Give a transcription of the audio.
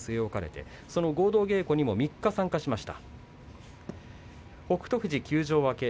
合同稽古にも３日参加しました。